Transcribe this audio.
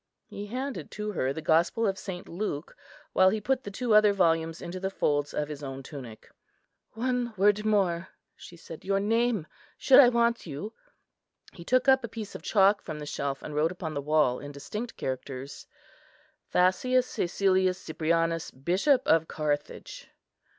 He handed to her the Gospel of St. Luke, while he put the two other volumes into the folds of his own tunic. "One word more," she said; "your name, should I want you." He took up a piece of chalk from the shelf, and wrote upon the wall in distinct characters, "Thascius Cæcilius Cyprianus, Bishop of Carthage."